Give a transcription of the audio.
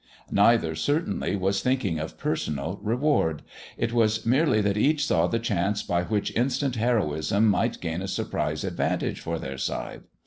Neither, certainly, was thinking of personal reward; it was merely that each saw the chance by which instant heroism might gain a surprise advantage for their side.